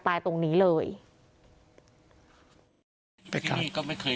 ที่ผ่านมาไม่เคยเจออะไรเหตุการณ์หวดเทียมแบบนี้เลย